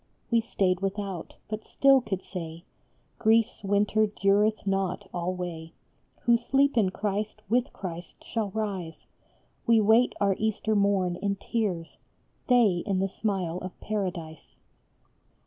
We stayed without, but still could say, " Grief s winter dureth not alway ; Who sleep in Christ with Christ shall rise. We wait our Easter morn in tears, They in the smile of Paradise."